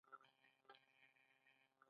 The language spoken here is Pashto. دا دوه کاله پرته ده.